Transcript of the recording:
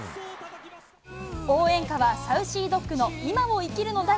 応援歌はサウシードッグの現在を生きるのだ。